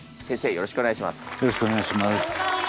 よろしくお願いします。